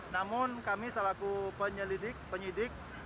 namun kami selaku penyelidik penyidik